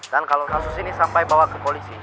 dan kalo kasus ini sampai bawa ke polisi